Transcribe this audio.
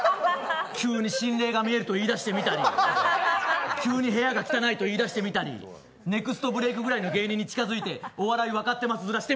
急に心霊が見えると言い出してみたり、急に部屋が汚いと言い出してみたり、ネクストブレークぐらいの芸人に近づいてお笑い分かってます